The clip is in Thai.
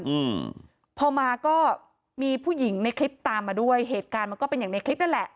อืมพอมาก็มีผู้หญิงในคลิปตามมาด้วยเหตุการณ์มันก็เป็นอย่างในคลิปนั่นแหละ